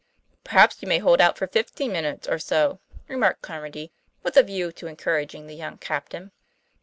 " Perhaps you may hold out fifteen minutes or so," remarked Carmody, with a view to encouraging the young captain.